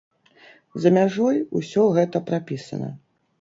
За мяжой усё гэта прапісана.